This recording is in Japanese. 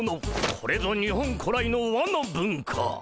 これぞ日本古来の和の文化。